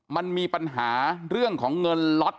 มันมีปัญหาเรื่องของเงินล็อต